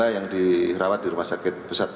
yang dirawat di rumah sakit pusat